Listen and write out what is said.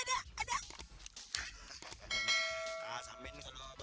saya akan membalas